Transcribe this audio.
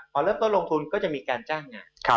พอเริ่มต้นลงทุนก็จะมีการจ้างงาน